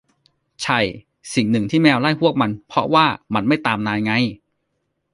ใช่ สิ่งหนึ่งที่แมวไล่พวกมันเพราะว่ามันไม่ตามนายไง